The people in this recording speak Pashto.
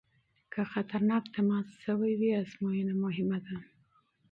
که خطرناک تماس شوی وي ازموینه مهمه ده.